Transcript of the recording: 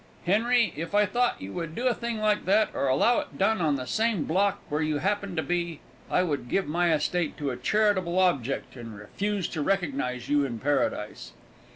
Henry, if I thought you would do a thing like that, or allow it done on the same block where you happened to be, I would give my estate to a charitable object, and refuse to recognize you in Paradise.